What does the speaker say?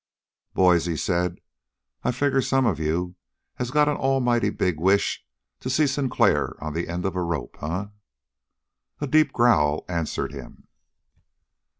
"Boys," he said, "I figure some of you has got an almighty big wish to see Sinclair on the end of a rope, eh?" A deep growl answered him.